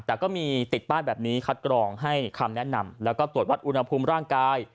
แต่ก็มีติดป้ายแบบนี้คัดกรองให้คำแนะนำแล้วก็ตรวจวัดอุณหภูมิร่างกาย